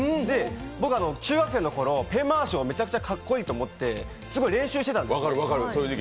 僕中学生のとき、ペン回しをめちゃくちゃかっこいいと思って、すごい練習してたんです。